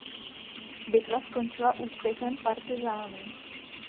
Bitva skončila úspěchem partyzánů.